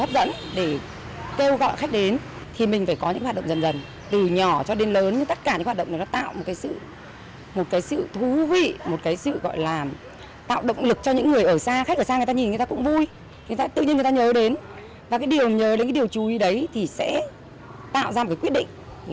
và cái điều nhờ đến cái điều chú ý đấy thì sẽ tạo ra một quyết định là họ chọn điểm đến